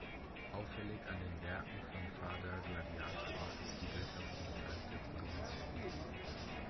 Auffällig an den Werken von Fader Gladiator ist die Bildhaftigkeit der Produktion.